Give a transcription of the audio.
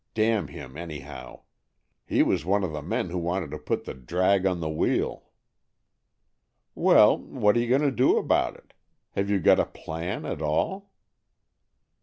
Damn him, anyhow. He was one of the men who wanted to put the drag on the wheel." " Well, what are you going to do about it? Have you got a plan at all?